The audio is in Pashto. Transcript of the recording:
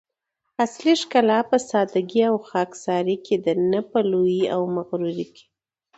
اصلي ښکلا په سادګي او خاکساري کی ده؛ نه په لويي او مغروري کي